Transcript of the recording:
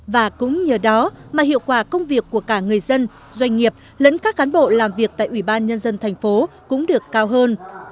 và cũng nhờ đó mà hiệu quả công việc của cả người dân doanh nghiệp lẫn các cán bộ làm việc tại ủy ban nhân dân thành phố cũng được cao hơn